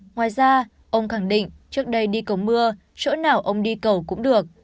ngoài ra ông khẳng định trước đây đi cầu mưa chỗ nào ông đi cầu cũng được